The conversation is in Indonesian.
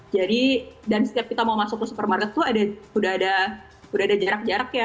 jadi dan setiap kita mau masuk ke supermarket tuh udah ada jarak jarak ya